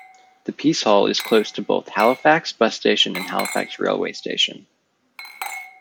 The Piece Hall is close to both Halifax bus station and Halifax railway station.